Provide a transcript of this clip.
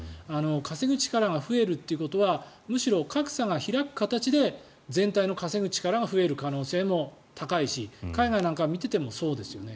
稼ぐ力が増えるっていうことはむしろ格差が開く形で全体の稼ぐ力が増える可能性も高いし海外なんかを見ていてもそうですよね。